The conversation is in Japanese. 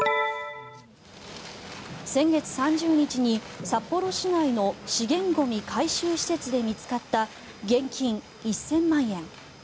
先月３０日に札幌市内の資源ゴミ回収施設で見つかった現金１０００万円。